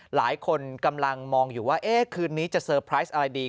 หลายคนกำลังมองอยู่ว่าคืนนี้จะเตอร์ไพรส์อะไรดี